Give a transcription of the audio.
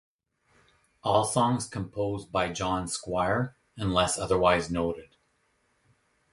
All songs composed by John Squire unless otherwise noted.